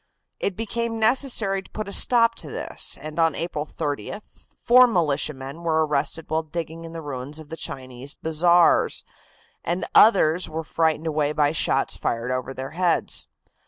It became necessary to put a stop to this, and on April 30th four militiamen were arrested while digging in the ruins of the Chinese bazaars, and others were frightened away by shots fired over their heads.